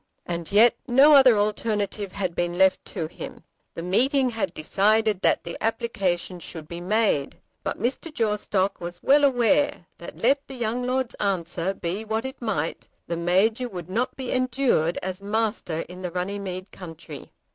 And yet no other alternative had been left to him. The meeting had decided that the application should be made; but Mr. Jawstock was well aware that let the young Lord's answer be what it might, the Major would not be endured as Master in the Runnymede country.